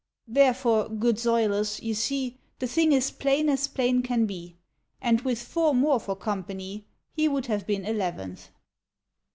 Therefore, good Zoilus, you see The thing is plain as plain can be; And with four more for company. He would have been eleventh.